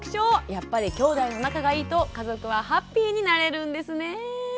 やっぱりきょうだいの仲がいいと家族はハッピーになれるんですねえ。